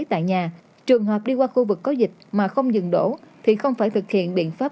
tại nhà trường hợp đi qua khu vực có dịch mà không dừng đổ thì không phải thực hiện biện pháp